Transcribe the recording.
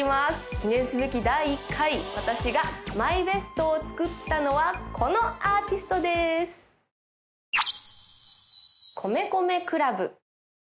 記念すべき第１回私がＭＹＢＥＳＴを作ったのはこのアーティストですすえたような愛のバリエーション